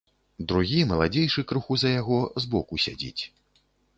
Другі, маладзейшы крыху за яго, збоку сядзіць.